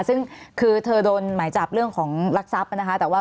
ซึ่งคือเธอโดนหมายจับเรื่องของรักทรัพย์นะคะ